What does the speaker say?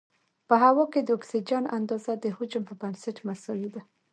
په هوا کې د اکسیجن اندازه د حجم په بنسټ مساوي ده.